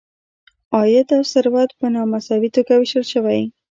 عاید او ثروت په نا مساوي توګه ویشل شوی.